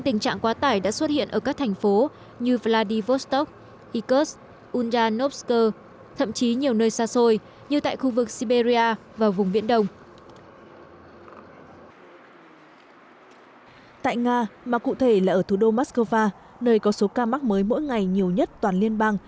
tại nga mà cụ thể là ở thủ đô moscow nơi có số ca mắc mới mỗi ngày nhiều nhất toàn liên bang